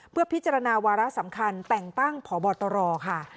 เพื่อพิจารณาวาระสำคัญแต่งตั้งพบตรค่ะ